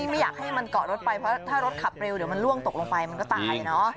ไม่อยากให้มันเกาะรถไปเพราะถ้ารถขับเร็วเดี๋ยวมันล่วงตกลงไปมันก็ตายเนอะ